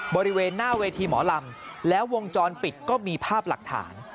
บริเวณหน้าเวทีหมอลำแล้ววงจรปิดก็มีภาพหลักฐาน